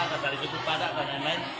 ada dari jogja padang dan lain lain